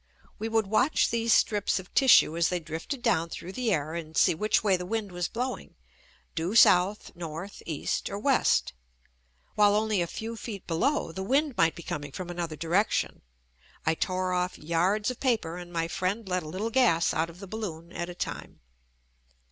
We would watch these strips of tissue as they drifted down through the air and see which way the wind was blowing — due South, North, East or West, while only a few feet below the wind might be coming from another direction. I tore off yards of paper and my friend let a little gas out of the balloon at a time.